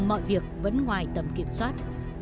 mọi việc vẫn ngoài tầm kiểm soát